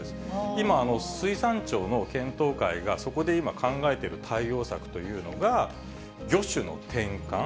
今、水産庁の検討会が、そこで今、考えている対応策というのが、魚種の転換。